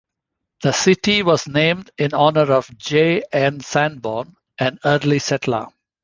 The city was named in honor of J. N. Sanborn, an early settler.